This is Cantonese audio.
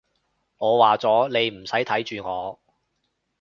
我話咗，你唔使睇住我